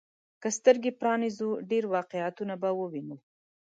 که سترګي پرانيزو، ډېر واقعيتونه به ووينو.